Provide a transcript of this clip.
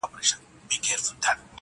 د نصیب لیدلی خوب یم- پر زندان غزل لیکمه-